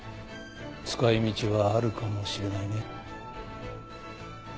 使い道はあるかもしれないね。